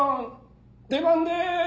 出番でーす」